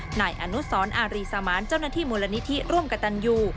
นายอนุสรอารีสมานเจ้าหน้าที่มูลนิธิร่วมกับตันยู